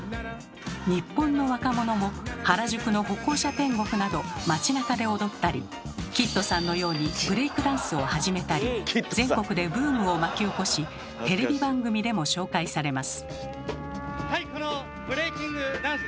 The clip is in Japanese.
日本の若者も原宿の歩行者天国など街中で踊ったりＫＩＤさんのようにブレイクダンスを始めたり全国でブームを巻き起こしテレビ番組でも紹介されます。